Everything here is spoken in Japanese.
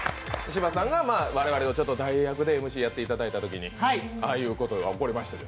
柴田さんが我々の代役でＭＣをやっていただいたときにああいうことが起こりまして。